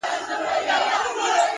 وخت د ارمانونو ازموینوونکی دی.